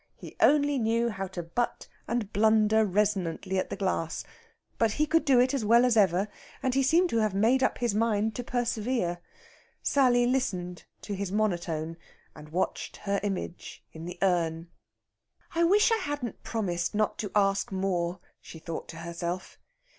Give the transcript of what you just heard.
He only knew how to butt and blunder resonantly at the glass; but he could do it as well as ever, and he seemed to have made up his mind to persevere. Sally listened to his monotone, and watched her image in the urn. "I wish I hadn't promised not to ask more," she thought to herself.